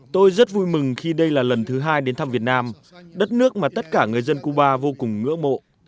tôi rất vui mừng khi đây là lần thứ hai đến thăm việt nam đất nước mà tất cả người dân cuba vô cùng ngưỡng mộ